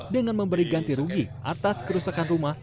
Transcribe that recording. dengan memberi ganti rugi atas kerusakan rumah